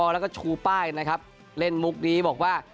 แล้วก็ชูป้ายนะครับเล่นมุกนี้บอกว่า